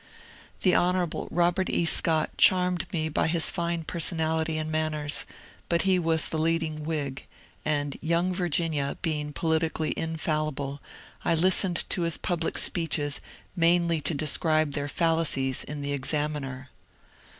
The Hon. Robert E. Scott charmed me by his fine person ality and manners, but he was the leading Whig, and ^^ Young Virginia " being politically infallible, I listened to his public speeches mainly to describe their fallacies in the ^^ Exam iner."